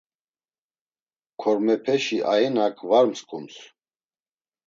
Kormepeşi ainak var msǩums.